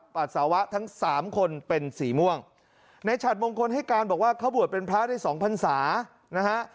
ปัสสาวะทั้งสามคนเป็นสีม่วงในฉัดมงคลให้การบอกว่าเขาบวชเป็นพระได้สองพันศานะฮะ